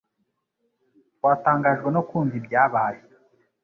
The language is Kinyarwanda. Twatangajwe no kumva ibyabaye